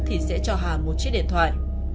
thì sẽ cho hà một chiếc điện thoại